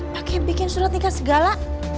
pakai bikin surat nikah segala